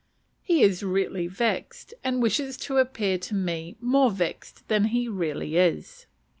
He is really vexed, and wishes to appear to me more vexed than he really is.